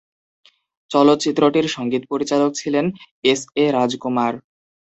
চলচ্চিত্রটির সঙ্গীত পরিচালক ছিলেন এস এ রাজকুমার।